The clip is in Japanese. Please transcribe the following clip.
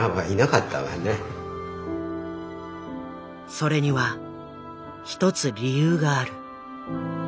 それには一つ理由がある。